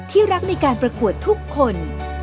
รักในการประกวดทุกคน